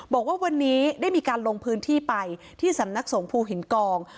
บอกว่าวันนี้ได้มีการลงพื้นที่ไปที่สำนักสงภูหินกอง